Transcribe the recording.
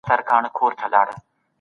خپل کمپیوټر یا موبایل راواخلئ.